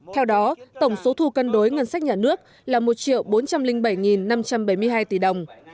theo đó tổng số thu cân đối ngân sách nhà nước là một bốn trăm linh bảy năm trăm bảy mươi hai tỷ đồng